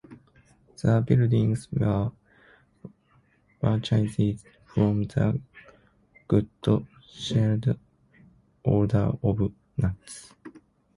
The buildings were purchased from the Good Shepherd Order of Nuns.